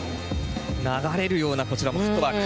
流れるようなこちらフットワーク。